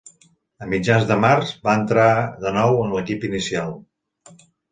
A mitjans de març, va entrar de nou en l'equip inicial.